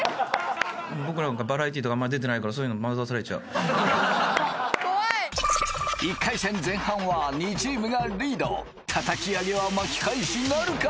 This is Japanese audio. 僕なんかバラエティーとかあんま出てないから惑わされちゃう１回戦前半は２チームがリード叩き上げは巻き返しなるか？